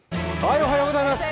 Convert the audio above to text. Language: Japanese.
おはようございます。